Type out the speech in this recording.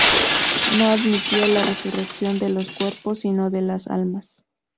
No admitía la resurrección de los cuerpos sino la de las almas.